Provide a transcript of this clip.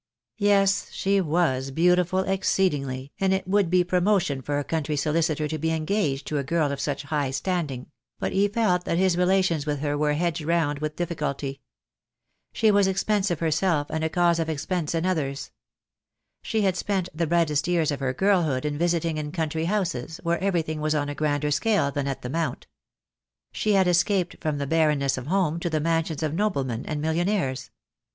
Yes, she was beautiful exceedingly, and it would be promotion for a country solicitor to be engaged to a girl of such high standing; but he felt that his relations with her were hedged round with difficulty. She was expensive herself, and a cause of expense in others. She had spent the brightest years of her girlhood in visiting in country 15* 2 28 THE DAY WILL COME. houses, where everything was on a grander scale than at the Mount. She had escaped from the barrenness of home to the mansions of noblemen and millionaires.